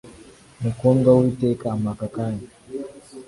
Mukundwa w’iteka mpa aka kanya